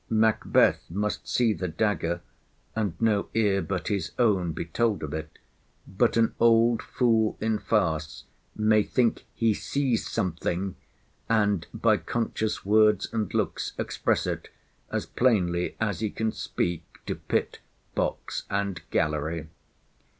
Macbeth must see the dagger, and no ear but his own be told of it; but an old fool in farce may think he sees something, and by conscious words and looks express it, as plainly as he can speak, to pit, box, and gallery.